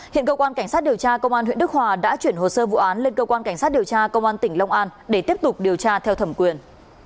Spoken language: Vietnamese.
hiện cơ quan cảnh sát điều tra công an huyện đức hòa đã chuyển hồ sơ vụ án lên cơ quan cảnh sát điều tra công an tỉnh long an để tiếp tục điều tra theo thẩm quyền